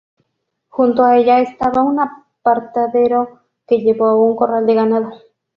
Junto a ella estaba un apartadero que llevó a un corral de ganado.